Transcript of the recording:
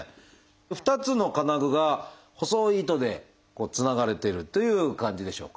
２つの金具が細い糸でつながれてるという感じでしょうか。